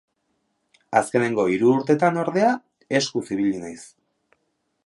Azkenengo hiru urtetan, ordea, eskuz ibili naiz.